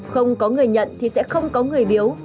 không có người nhận thì sẽ không có người biếu